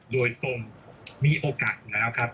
โดยตรงมีโอกาสแล้วครับ